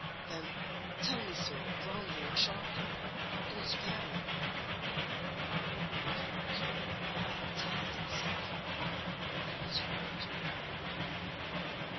"Then tell me so roundly and sharply—don't spare me." "I cannot: I am tired and sick. I want some water."